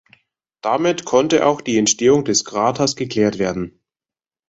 Damit konnte auch die Entstehung des Kraters geklärt werden.